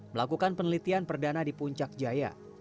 melakukan penelitian perdana di puncak jaya